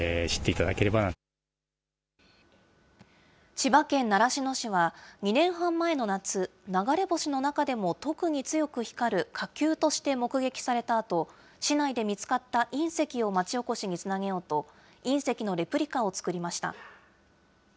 千葉県習志野市は２年半前の夏、流れ星の中でも特に強く光る火球として目撃されたあと、市内で見つかった隕石を町おこしにつなげようと、隕石のレプリカを作りました。